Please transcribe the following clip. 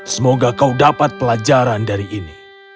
semoga kau dapat pelajaran dari ini